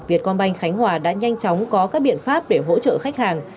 việt công banh khánh hòa đã nhanh chóng có các biện pháp để hỗ trợ khách hàng